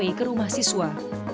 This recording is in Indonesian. sampai ke rumah siswa